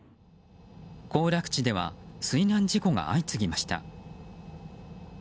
行楽地では水難事故が相次ぎました。